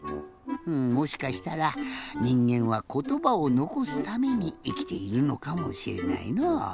もしかしたらにんげんはことばをのこすためにいきているのかもしれないのう。